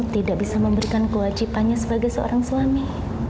tidak bisa memberikan kewajibannya sebagai seorang suami